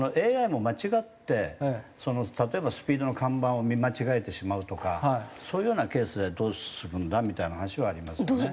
ＡＩも間違って例えばスピードの看板を見間違えてしまうとかそういうようなケースはどうするんだみたいな話はありますね。